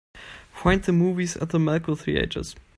Find the movies at Malco Theatres.